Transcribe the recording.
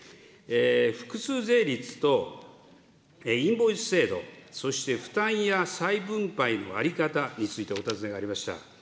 複数税率とインボイス制度、そして負担や再分配の在り方についてお尋ねがありました。